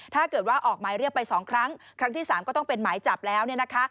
ถ้าเกิดว่าออกหมายเรียกไป๒ครั้งครั้งที่๓ก็ต้องเป็นหมายจับแล้ว